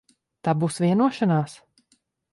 Tā būs vienošanās?